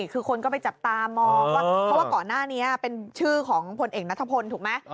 คือคนก็ไปจับตามองว่าเพราะว่าก่อนหน้านี้เป็นชื่อของพลเอกนัทพลถูกไหม